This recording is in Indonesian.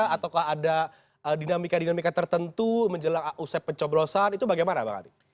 ataukah ada dinamika dinamika tertentu menjelang usai pencoblosan itu bagaimana bang adi